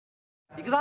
いくぞ！